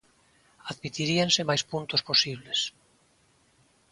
Admitiríanse máis puntos posibles.